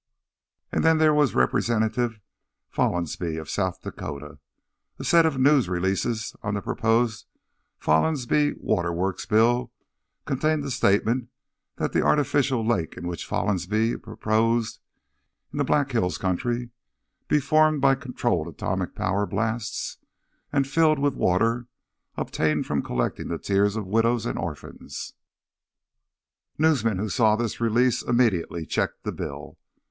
And then there was Representative Follansbee of South Dakota. A set of news releases on the proposed Follansbee Waterworks Bill contained the statement that the artificial lake which Follansbee proposed in the Black Hills country "be formed by controlled atomic power blasts, and filled with water obtained from collecting the tears of widows and orphans." Newsmen who saw this release immediately checked the bill.